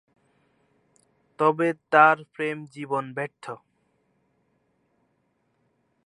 তবে তার প্রেম জীবন ব্যর্থ।